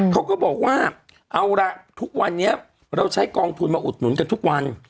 เขาก็บอกว่าเอาละทุกวันนี้เราใช้กองทุนมาอุดหนุนกันทุกวัน